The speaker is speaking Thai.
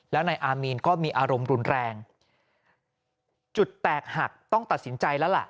แล้วนายอามีนก็มีอารมณ์รุนแรงจุดแตกหักต้องตัดสินใจแล้วล่ะ